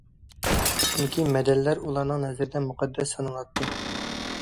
چۈنكى مەدەنلەر ئۇلارنىڭ نەزىرىدە مۇقەددەس سانىلاتتى.